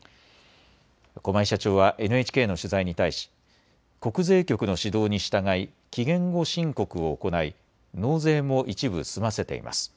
駒井社長はＮＨＫの取材に対し国税局の指導に従い期限後申告を行い納税も一部済ませています。